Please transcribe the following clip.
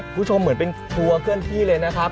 คุณผู้ชมเหมือนเป็นครัวเคลื่อนที่เลยนะครับ